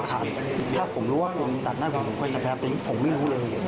ถ้าผมรู้ว่าคนตัดหน้าผมก็จะแพ้ตัวเองผมไม่รู้เลย